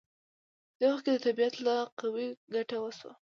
په دې وخت کې د طبیعت له قوې ګټه وشوه.